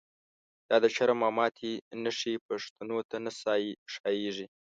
دا دشرم او ماتی نښی، پښتنوته نه ښاییږی